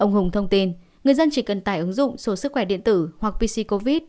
ông hùng thông tin người dân chỉ cần tải ứng dụng số sức khỏe điện tử hoặc pc covid